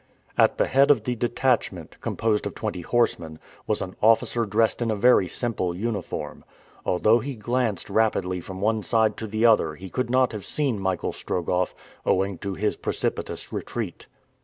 At the head of the detachment, composed of twenty horsemen, was an officer dressed in a very simple uniform. Although he glanced rapidly from one side to the other he could not have seen Michael Strogoff, owing to his precipitous retreat.